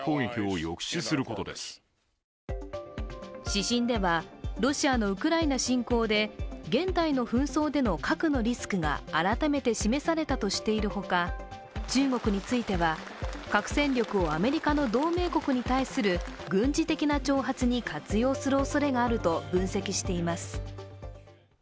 指針では、ロシアのウクライナ侵攻で現代の紛争での核のリスクが改めて示されたとしているほか中国については核戦力をアメリカの同盟国に対する軍事的な挑発に活用するおそれがあると分析しています。